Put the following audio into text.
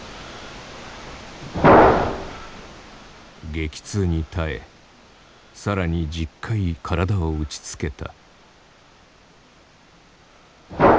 激痛に耐え更に１０回体を打ちつけた。